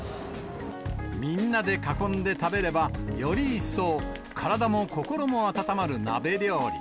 みんなで囲んで食べれば、より一層、体も心も温まる鍋料理。